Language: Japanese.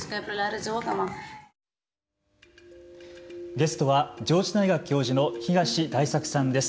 ゲストは上智大学教授の東大作さんです。